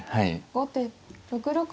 後手６六銀。